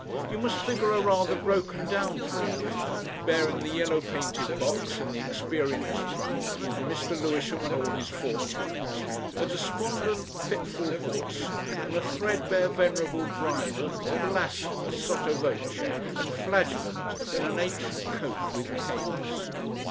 You must figure a rather broken down four wheeler bearing the yellow painted box and the experienced trunk and Mr. Lewisham and all his fortunes, a despondent fitful horse, and a threadbare venerable driver, blasphemous sotto voce and flagellant, in an ancient coat with capes.